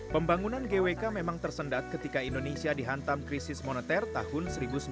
pembangunan gwk memang tersendat ketika indonesia dihantam krisis moneter tahun seribu sembilan ratus sembilan puluh